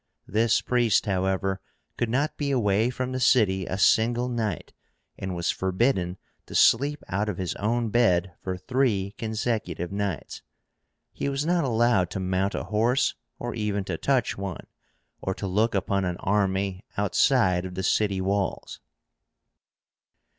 This priest, however, could not be away from the city a single night, and was forbidden to sleep out of his own bed for three consecutive nights. He was not allowed to mount a horse, or even to touch one, or to look upon an army outside of the city walls.